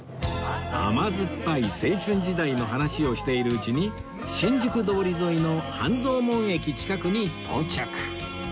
甘酸っぱい青春時代の話をしているうちに新宿通り沿いの半蔵門駅近くに到着